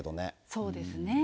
そうですね。